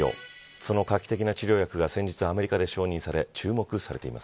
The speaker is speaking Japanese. その画期的な治療薬が、先日アメリカで承認され注目されています。